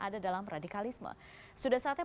ada dalam radikalisme sudah saatnya